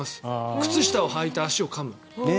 靴下をはいた足をかむ。